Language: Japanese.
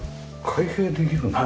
開閉できるな。